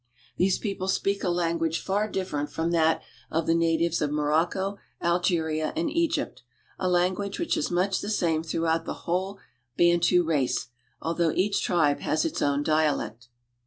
These people speak a language far different from that of the natives of Morocco, Algeria, and Egypt ; a language which is much the same throughout the whole Bantu race, although each tribe has its own dialect.